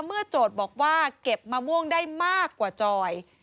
โจทย์บอกว่าเก็บมะม่วงได้มากกว่าจอย